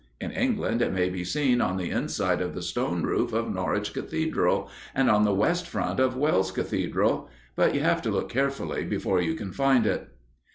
In England it may be seen on the inside of the stone roof of Norwich Cathedral, and on the west front of Wells Cathedral; but you have to look carefully before you can find it.